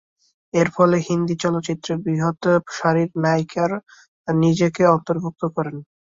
এরফলে হিন্দি চলচ্চিত্রে বৃহৎ সারির নায়িকায় নিজেকে অন্তর্ভুক্ত করেন।